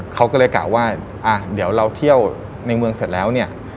เขาก็เลยกล่าวว่าอ่ะเดี๋ยวเราเที่ยวในเมืองเสร็จแล้วเนี่ย